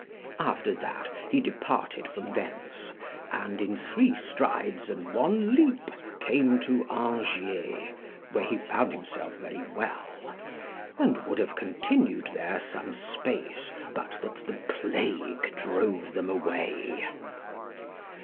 After that he departed from thence, and in three strides and one leap came to Angiers, where he found himself very well, and would have continued there some space, but that the plague drove them away.